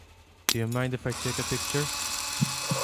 Do you mind if I take a picture?